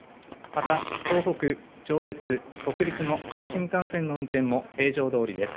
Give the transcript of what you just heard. また、東北、上越、北陸の各新幹線の運転も、平常どおりです。